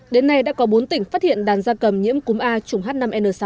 đến nay đã có bốn tỉnh phát hiện đàn gia cầm nhiễm cúm a chủng h năm n sáu